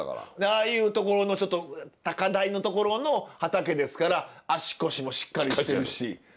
ああいう所のちょっと高台の所の畑ですから足腰もしっかりしてるし！